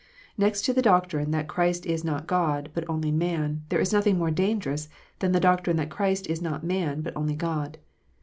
Xext to the doctrine that Christ is not God, but only man, there is nothing more dangerous than the doctrine that Christ is not man, but only God.